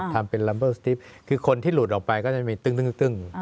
ทำเป็นลัมป์ตรีปคือคนที่หลุดออกไปก็จะมีตึ๊ง